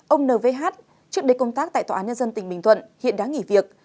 ông n v h trước đây công tác tại tòa án nhân dân tỉnh bình thuận hiện đã nghỉ việc